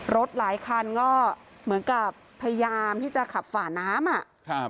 รถหลายคันก็เหมือนกับพยายามที่จะขับฝ่าน้ำ